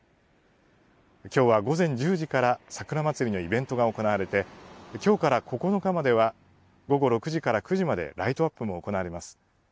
きょうは午前１０時から桜まつりのイベントが行われて、きょうから９日までは、午後６時から９時までライトアップも行われます。